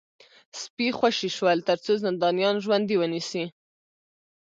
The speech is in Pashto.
سپي خوشي شول ترڅو زندانیان ژوندي ونیسي